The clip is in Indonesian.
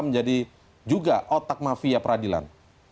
menjadi juga otak mafia peradilan